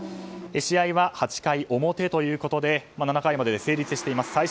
試合は８回表ということで７回まで成立しています。